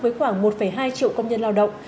với khoảng một hai triệu công nhân lao động